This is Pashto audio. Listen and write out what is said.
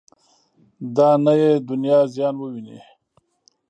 دا نه یې دنیا زیان وویني.